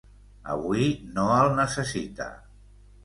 Avui no el necessita.